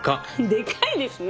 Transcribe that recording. でかいですね。